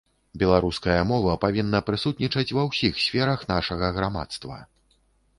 Беларуская мова павінна прысутнічаць ва ўсіх сферах нашага грамадства.